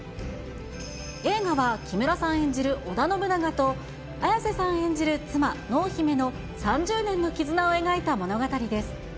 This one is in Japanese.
映画は木村さん演じる織田信長と、綾瀬さん演じる妻、濃姫の３０年の絆を描いた物語です。